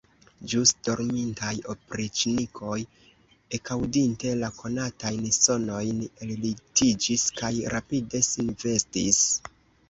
Ĵus dormintaj opriĉnikoj, ekaŭdinte la konatajn sonojn, ellitiĝis kaj rapide sin vestis.